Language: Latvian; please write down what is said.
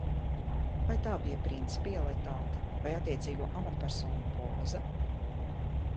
Vai tā bija principialitāte vai attiecīgo amatpersonu poza?